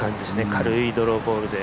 軽いドローボールで。